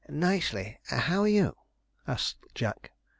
'Nicely. How are you?' asked Jack.